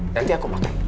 nanti aku makan